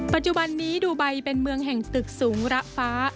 ปัจจุบันนี้ดูไบเป็นเมืองแห่งตึกสูงระฟ้า